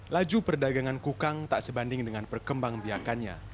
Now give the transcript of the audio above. laju perdagangan kukang tak sebanding dengan perkembang biakannya